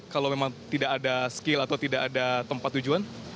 kalau memang tidak ada skill atau tidak ada tempat tujuan